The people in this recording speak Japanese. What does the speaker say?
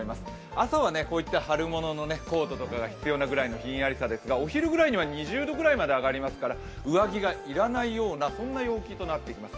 朝はこういった春物のコートとかが必要なぐらいのひんやりさですがお昼ぐらいには２０度ぐらいまで上がりますから上着が要らないようなそんな陽気となってきます。